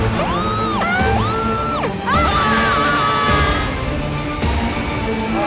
papa pelan pelan ya pa